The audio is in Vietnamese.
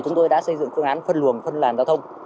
chúng tôi đã xây dựng phương án phân luồng phân làn giao thông